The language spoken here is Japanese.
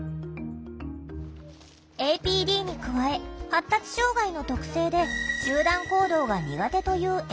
ＡＰＤに加え発達障害の特性で集団行動が苦手という笑